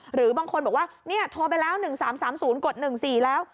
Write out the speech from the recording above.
หรือบางคนบอกว่าโทรไปแล้ว๑๓๓๐กด๑๔แล้ว